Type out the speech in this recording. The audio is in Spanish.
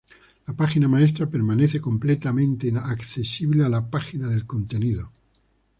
La página maestra permanece completamente accesible a la página del contenido.